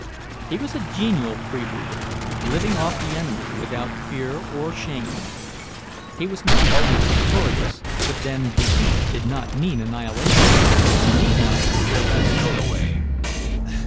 He was a genial freebooter, living off the enemy, without fear or shame. He was not always victorious, but then defeat did not mean annihilation, and need not break his spirit.